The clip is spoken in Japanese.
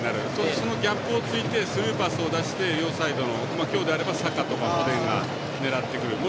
その逆をついてスルーパスを出して両サイドの今日であればサカとかフォデンが狙ってくる。